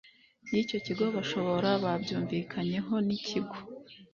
y icyo kigo bashobora babyumvikanyeho n ikigo